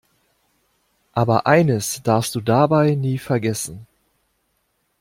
Aber eines darfst du dabei nie vergessen.